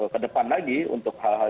ke depan lagi untuk hal hal